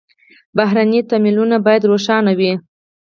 بهرني تمویلونه باید روښانه وي.